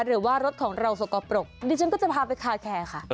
หรือว่ารถของเราสกปรกดิฉันก็จะพาไปคาแคร์ค่ะ